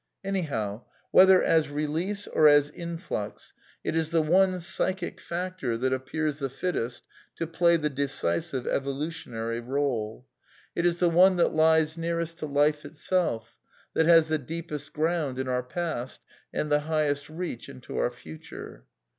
Anyhow, whether as release or as influx, it is the one psychic factor that appears the fittest to play the decisive evolutionary role. It is the one that lies nearest to life itself, that has the deepest ground in our past and the highest reach into our future.